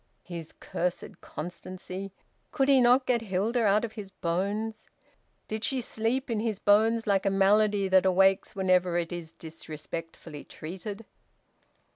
His cursed constancy! ... Could he not get Hilda out of his bones? Did she sleep in his bones like a malady that awakes whenever it is disrespectfully treated?